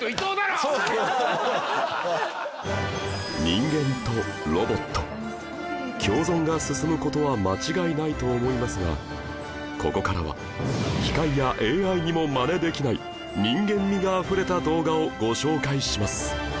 人間とロボット共存が進む事は間違いないと思いますがここからは機械や ＡＩ にもマネできない人間味があふれた動画をご紹介します